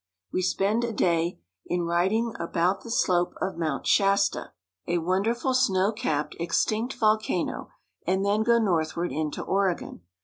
We spend a day in riding about the slope of Mount Shasta, a wonderful snow capped, fxtinct volcano, and then go northward into Oregon.